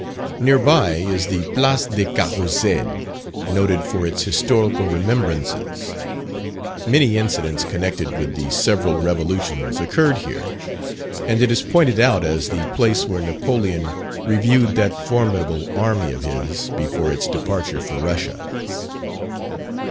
Near by is the Place de Carrousel, noted for its historical remembrances. Many incidents connected with the several revolutions occurred here, and it is pointed out as the place where Napoleon reviewed that formidable army of his before its departure for Russia.